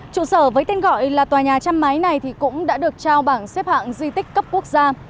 trụ sở với tên gọi là tòa nhà trăm máy này cũng đã được trao bảng xếp hạng di tích cấp quốc gia